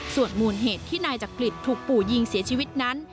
ส่วนมูลเหตุที่นายจักริตถูกปู่ยิงเสียชีวิตนั้น